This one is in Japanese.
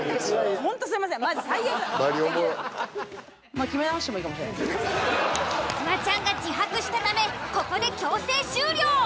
フワちゃんが自白したためここで強制終了。